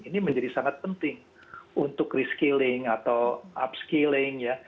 ini menjadi sangat penting untuk reskilling atau upskilling ya